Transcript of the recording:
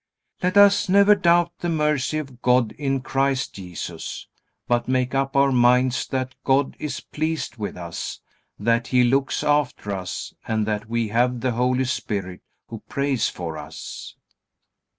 Let us never doubt the mercy of God in Christ Jesus, but make up our minds that God is pleased with us, that He looks after us, and that we have the Holy Spirit who prays for us.